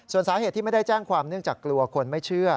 ส่วนสาเหตุที่ไม่ได้แจ้งความเนื่องจากกลัวคนไม่เชื่อ